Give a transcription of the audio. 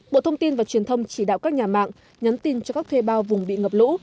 bộ thông tin và truyền thông chỉ đạo các nhà mạng nhắn tin cho các thuê bao vùng bị ngập lũ